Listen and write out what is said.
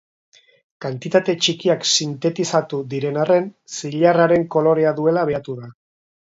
Kantitate txikiak sintetizatu diren arren, zilarraren kolorea duela behatu da.